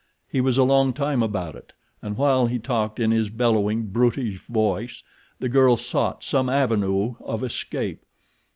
He was a long time about it, and while he talked in his bellowing, brutish voice, the girl sought some avenue of escape.